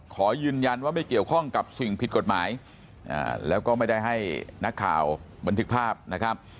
ขอยืนยันว่าไม่เกี่ยวข้องกับสิ่งผิดกฎหมายแล้วก็ไม่ได้ให้นักข่าวบันทึกภาพนะครับ